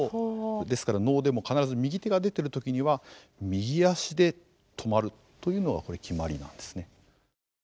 ですから能でも必ず右手が出てる時には右足で止まるというのがこれ決まりなんですね。